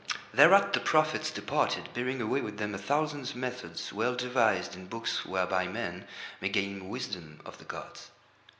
Thereat the prophets departed, bearing away with them a thousand methods well devised in books whereby men may gain wisdom of the gods.